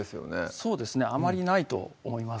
そうですねあまりないと思います